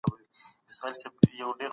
زه په پښتو ژبي فکر ليکم.